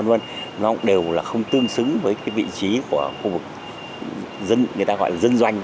nó cũng đều không tương xứng với vị trí của khu vực dân doanh